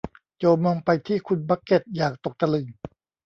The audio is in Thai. โจมองไปที่คุณบักเก็ตอย่างตกตะลึง